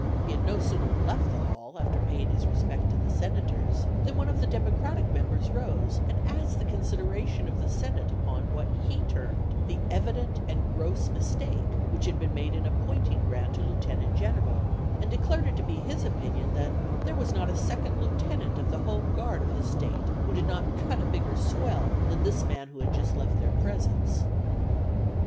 He had no sooner left the hall after paying his respects to the Senators than one of the Democratic members rose and asked the consideration of the Senate upon what he termed the evident and gross mistake which had been made in appointing Grant a Lieutenant General, and declared it to be his opinion that 'there was not a second lieutenant of the Home Guard of his State who did not "cut a bigger swell" than this man who had just left their presence.